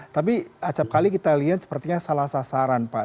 tapi setiap kali kita lihat sepertinya salah sasaran pak